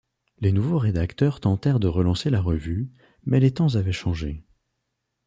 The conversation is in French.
Les nouveaux rédacteurs tentèrent de relancer la revue, mais les temps avaient changé.